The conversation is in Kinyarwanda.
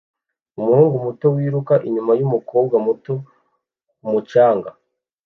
umuhungu muto wiruka inyuma yumukobwa muto ku mucanga